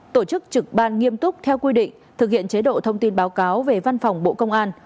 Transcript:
tổ chức trực ban nghiêm túc theo quy định thực hiện chế độ thông tin báo cáo về văn phòng bộ công an